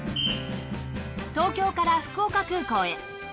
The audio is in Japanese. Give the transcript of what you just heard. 東京から福岡空港へ。